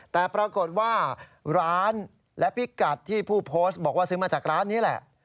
แต่ปรากฏว่าร้านและพิกัดที่ผู้โพสต์บอกว่าซื้อมาจากร้านนี้แหละ